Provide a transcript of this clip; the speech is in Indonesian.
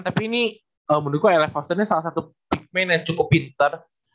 tapi ini menurutku eli foster ini salah satu pigman yang cukup pinter